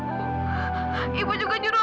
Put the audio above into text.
ibu juga nyuruh amira gak boleh pergi kemana mana